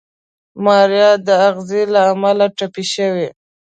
ماريا د اغزي له امله ټپي شوه.